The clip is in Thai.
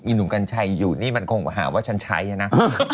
หนุ่มกัญชัยอยู่นี่มันคงหาว่าฉันใช้นะ